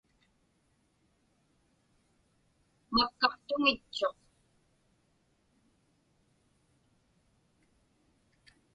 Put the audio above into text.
Makkaqtuŋitchuq.